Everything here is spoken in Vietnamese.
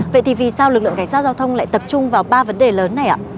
vậy thì vì sao lực lượng cảnh sát giao thông lại tập trung vào ba vấn đề lớn này ạ